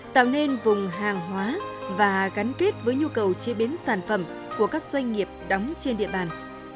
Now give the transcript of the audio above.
tạo nên vùng hàng hóa và gắn kết với nhu cầu chế biến sản phẩm của các doanh nghiệp đóng trên địa bàn